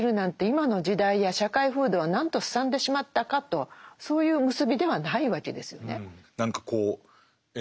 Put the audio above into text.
今の時代や社会風土はなんとすさんでしまったかとそういう結びではないわけですよね。